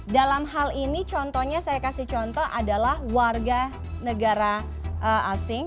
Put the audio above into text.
dalam hal ini contohnya saya kasih contoh adalah warga negara asing